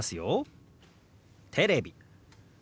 「テレビ」。